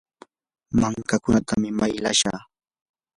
mankakunatam maylashaa.